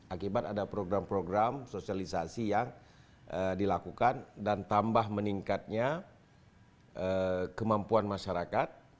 akibat ada program program sosialisasi yang dilakukan dan tambah meningkatnya kemampuan masyarakat